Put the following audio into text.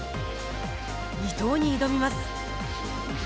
伊藤に挑みます。